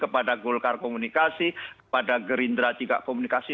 pada gerindra juga komunikasi